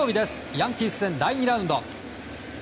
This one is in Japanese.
ヤンキース戦、第２ラウンド。